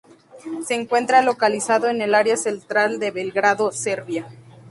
Se encuentra localizado en el área central de Belgrado, Serbia.